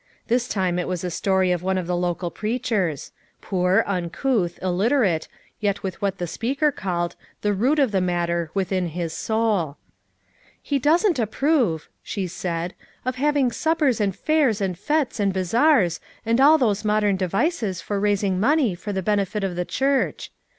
This time it was a story of one of the local preachers ; poor, un couth, illiterate, yet with what the speaker called "the root of the matter" within his soul. "He doesn't approve," sbe said, "of having suppers and fairs and fetes and bazaars and all those modern devices for raising money for the benefit of the church.